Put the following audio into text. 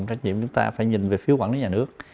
trách nhiệm chúng ta phải nhìn về phiếu quản lý nhà nước